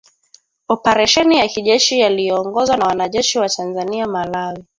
oparesheni ya kijeshi yaliyoongozwa na wanajeshi wa Tanzania Malawi